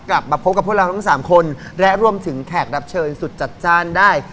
กลับมาพบกับพวกเราทั้งสามคนและรวมถึงแขกรับเชิญสุดจัดจ้านได้